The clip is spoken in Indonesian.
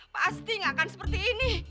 pasti nggak akan seperti ini